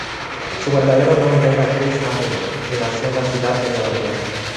Su verdadero nombre era Grace Harrigan, y nació en la ciudad de Nueva York.